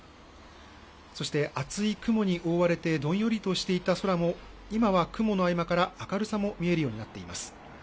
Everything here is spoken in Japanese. そして厚い雲に覆われてどんよりとしていた空も今は雲の合間から明るさも見えるようになっています。